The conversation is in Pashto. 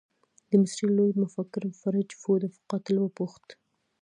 د مصري لوی مفکر فرج فوده قاتل وپوښت.